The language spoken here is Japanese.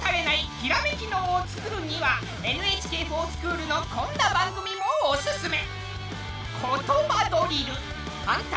ひらめき脳をつくるには「ＮＨＫｆｏｒＳｃｈｏｏｌ」のこんな番組もおすすめ。